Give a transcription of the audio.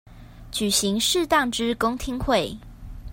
舉行適當之公聽會